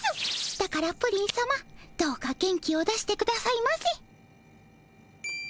だからプリンさまどうか元気を出してくださいませ。